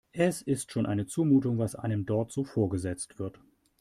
Es ist schon eine Zumutung, was einem dort so vorgesetzt wird.